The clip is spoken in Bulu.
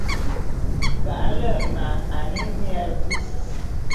Ba’ale’e ma ane nyia dis.